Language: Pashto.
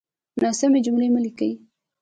ناسمې جملې مه ليکئ!